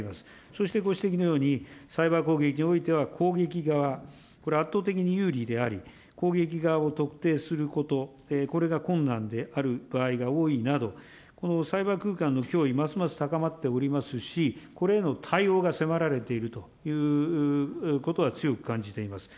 そして、ご指摘のようにサイバー攻撃においては、攻撃側、これ圧倒的に有利であり、攻撃側を特定すること、これが困難である場合が多いなど、サイバー空間の脅威、ますます高まっておりますし、これへの対応が迫られているということは強く感じています。